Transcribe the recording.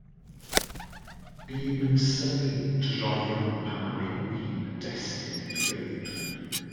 Bum yn synnu droeon pam y mae gwin yn destun i'r beirdd.